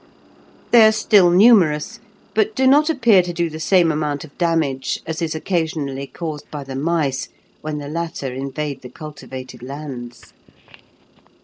They are still numerous, but do not appear to do the same amount of damage as is occasionally caused by the mice, when the latter invade the cultivated lands.